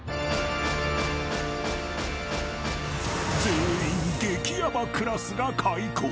［全員激ヤバクラスが開校］